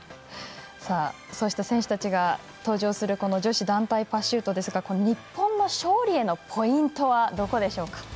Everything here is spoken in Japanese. そうした選手たちが登場する女子団体パシュートですが日本の勝利へのポイントはどこでしょうか？